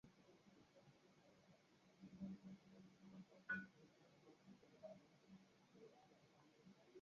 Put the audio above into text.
KODEKO kirefu chake ni chama cha ushirika ya maendeleo ya Kongo ni kundi la kisiasa na kidini ambalo linadai linawakilisha maslahi ya kabila la walendu